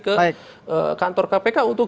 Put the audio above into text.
ke kantor kpk untuk